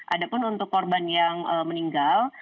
ada pun untuk korban yang meninggal